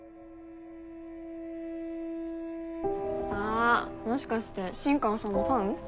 あもしかして新川さんもファン？